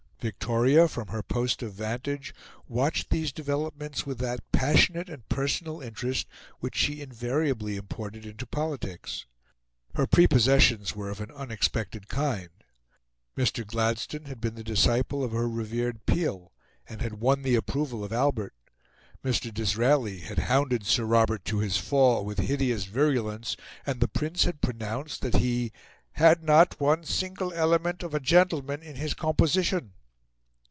Victoria, from her post of vantage, watched these developments with that passionate and personal interest which she invariably imported into politics. Her prepossessions were of an unexpected kind. Mr. Gladstone had been the disciple of her revered Peel, and had won the approval of Albert; Mr. Disraeli had hounded Sir Robert to his fall with hideous virulence, and the Prince had pronounced that he "had not one single element of a gentleman in his composition."